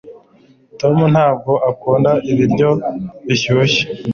tom ntabwo akunda ibiryo bishyushye